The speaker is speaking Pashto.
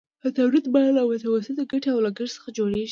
د تولید بیه له متوسطې ګټې او لګښت څخه جوړېږي